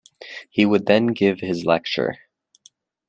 He would then give his lecture.